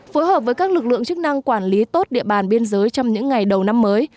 phối hợp với các lực lượng chức năng quản lý tốt địa bàn biên giới trong những ngày đầu năm mới